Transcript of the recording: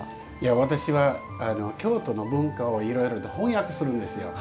私は、京都の文化をいろいろと翻訳するんですよ。